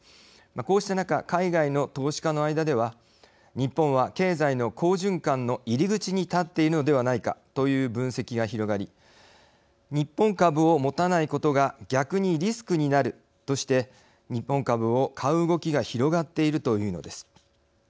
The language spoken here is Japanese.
こうした中海外の投資家の間では日本は、経済の好循環の入り口に立っているのではないかという分析が広がり日本株を持たないことが逆にリスクになるとして日本株を買う動きが広がっているというのです。